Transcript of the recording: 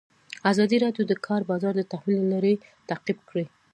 ازادي راډیو د د کار بازار د تحول لړۍ تعقیب کړې.